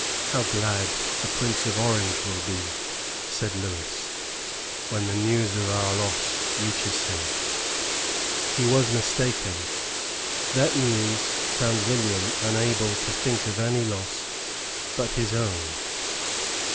"How glad the Prince of Orange will be," said Lewis, "when the news of our loss reaches him." He was mistaken. That news found William unable to think of any loss but his own.